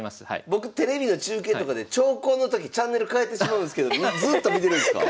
僕テレビの中継とかで長考の時チャンネル変えてしまうんですけどずっと見てるんすか？